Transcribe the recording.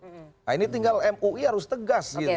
nah ini tinggal mui harus tegas gitu